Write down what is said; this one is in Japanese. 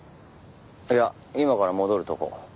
いや今から戻るとこ。